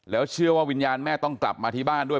แล้วเชื่อว่าวิญญาณแม่ต้องกลับมาที่บ้านด้วย